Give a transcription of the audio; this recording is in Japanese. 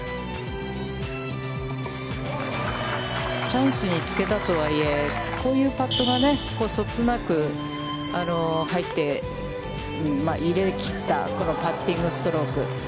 チャンスにつけたとはいえ、こういうパットがそつなく入って、入れ切った、このパッティングストローク。